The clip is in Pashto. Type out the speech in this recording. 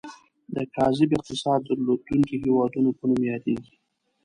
د کاذب اقتصاد درلودونکي هیوادونو په نوم یادیږي.